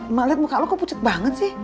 emak lihat muka lo kok pucet banget sih